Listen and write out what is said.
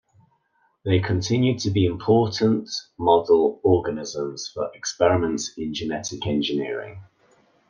They continue to be important model organisms for experiments in genetic engineering.